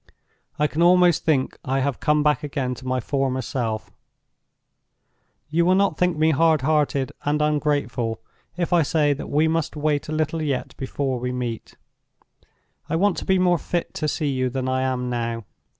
I can almost think I have come back again to my former self. "You will not think me hard hearted and ungrateful if I say that we must wait a little yet before we meet. I want to be more fit to see you than I am now.